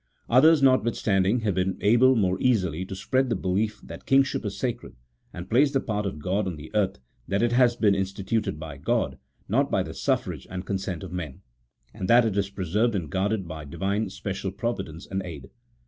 Others, notwithstanding, have been able more easily to spread the belief that king ship is sacred, and plays the part of God on the earth, that it has been instituted by G od, not by the suffrage and con sent of men; and that it is preserved and guarded by Divine special providence and aid.